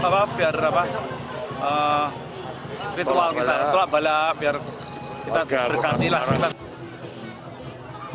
biar ritual kita kita berkantilah